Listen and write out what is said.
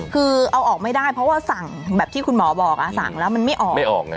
คือเอาออกไม่ได้นะเพราะว่าสั่งแบบที่คุณหมอบอกสั่งแล้วไม่ออก